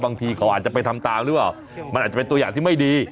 บางทีเขาอาจจะไปทำตามหรือเปล่ามันอาจจะเป็นตัวอย่างที่ไม่ดี